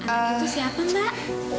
anak itu siapa mbak